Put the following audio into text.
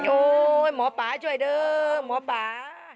โะ้หมอป๊าช่วยด้วยหมอป๊า